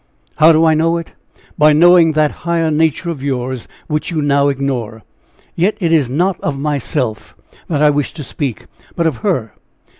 "How do I know it? By knowing that higher nature of yours, which you now ignore. Yet it is not of myself that I wish to speak, but of her.